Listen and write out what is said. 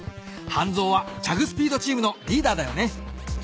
ハンゾーはチャグ・スピードチームのリーダーだよね。